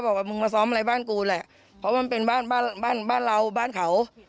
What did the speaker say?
บอกว่ามึงมาซ้อมอะไรบ้านกูแหละเพราะมันเป็นบ้านบ้านบ้านเราบ้านเขา